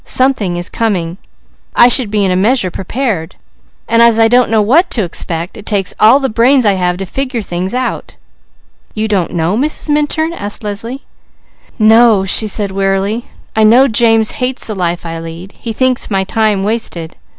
Something is coming; I should be in a measure prepared, and as I don't know what to expect, it takes all the brains I have to figure things out." "You don't know, Mrs. Minturn?" asked Leslie. "No," she said wearily. "I know James hates the life I lead; he thinks my time wasted.